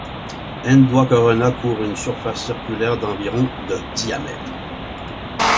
Ndoi Corona couvre une surface circulaire d'environ de diamètre.